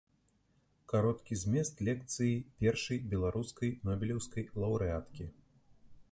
Кароткі змест лекцыі першай беларускай нобелеўскай лаўрэаткі.